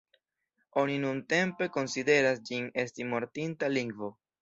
Oni nuntempe konsideras ĝin esti mortinta lingvo.